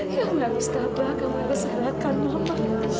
kamu harus tabah kamu harus sedarkan mama